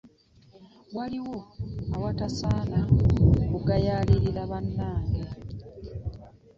Waliwo awatasaana kugayaalira bannange.